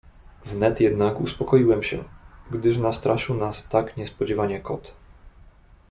"Wnet jednak uspokoiłem się, gdyż nastraszył nas tak niespodzianie kot."